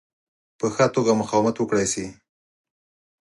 په ښه توګه مقاومت وکړای شي.